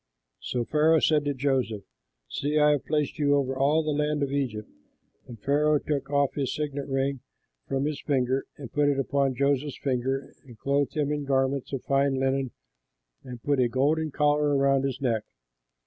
So Pharaoh said to Joseph, "See, I have placed you over all the land of Egypt." And Pharaoh took off his signet ring from his finger and put it upon Joseph's finger and clothed him in garments of fine linen and put a golden collar about his neck.